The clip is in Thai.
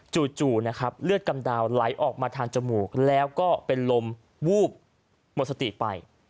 จู่นะครับเลือดกำดาวไหลออกมาทางจมูกแล้วก็เป็นลมวูบหมดสติไป